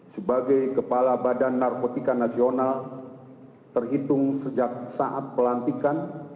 sebagai kepala badan narkotika nasional terhitung sejak saat pelantikan